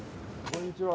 こんにちは。